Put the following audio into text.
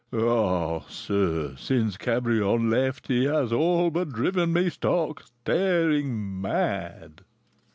Ah, sir, since Cabrion left, he has all but driven me stark staring mad!"